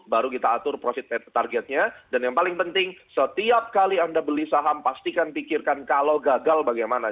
baru kita atur profit targetnya dan yang paling penting setiap kali anda beli saham pastikan pikirkan kalau gagal bagaimana